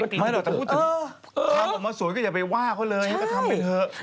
ทำออกมาสวยก็อย่าไปว่าเค้าเลยก็ทำไปเหอะ